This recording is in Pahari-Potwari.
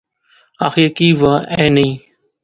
آخیئے کی وہا ایہہ نئیں